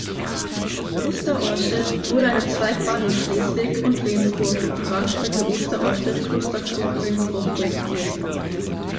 Von Oster-Ohrstedt wurde eine Zweigbahn nach Schleswig und Rendsburg, die Bahnstrecke Oster-Ohrstedt–Klosterkrug–Rendsburg, projektiert.